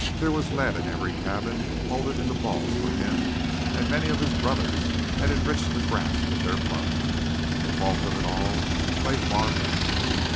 There was lead in every cabin, moulded into balls for him; many of his brothers had enriched the grass with their blood. The fault of it all lay far back.